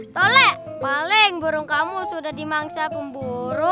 tolek paling burung kamu sudah dimangsa pemburu